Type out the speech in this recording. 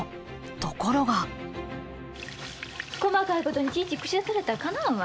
ところが細かいことにいちいち口出されたらかなわんわ。